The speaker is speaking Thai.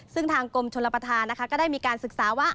ซึ่งทางกรมชนประธานก็ได้มีการศึกษาว่า